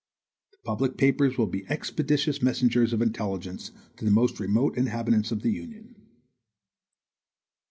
The public papers will be expeditious messengers of intelligence to the most remote inhabitants of the Union.